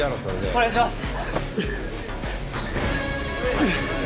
お願いします！